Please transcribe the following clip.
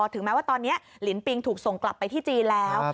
ถึงแม้ว่าตอนนี้ลินปิงถูกส่งกลับไปที่จีนแล้ว